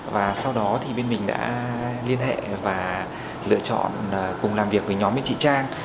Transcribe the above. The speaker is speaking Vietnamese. và sau đó thì bên mình đã liên hệ và lựa chọn cùng làm việc với nhóm bên chị trang